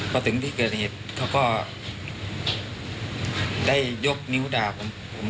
พอถึงที่เกิดเหตุเขาก็ได้ยกนิ้วด่าผม